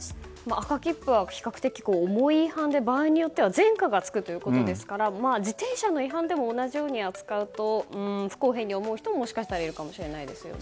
赤切符は比較的重い違反で場合によっては前科がつくということですから自転車の違反でも同じように扱うと不公平に思う人もいるかもしれないですね。